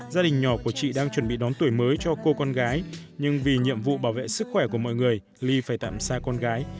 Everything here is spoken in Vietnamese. gia đình nhỏ của chị đang chuẩn bị đón tuổi mới cho cô con gái nhưng vì nhiệm vụ bảo vệ sức khỏe của mọi người li phải tạm xa con gái